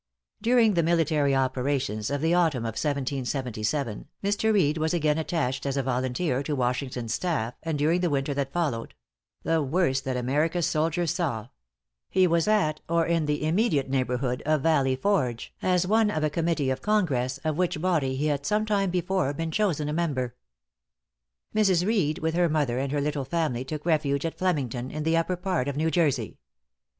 During the military operations of the Autumn of 1777, Mr. Reed was again attached as a volunteer to Washington's staff, and during the winter that followed the worst that America's soldiers saw he was at, or in the immediate neighborhood, of Valley Forge, as one of a committee of Congress, of which body he had some time before been chosen a member. Mrs. Reed with her mother and her little family took refuge at Flemington, in the upper part of New Jersey.